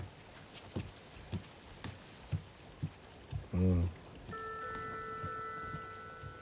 うん。